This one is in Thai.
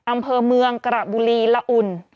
อำเภอเมืองกระบุรีละอุ่น